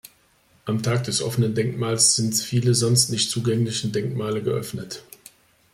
Am Tag des offenen Denkmals sind viele sonst nicht zugängliche Denkmale geöffnet.